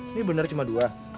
ini bener cuma dua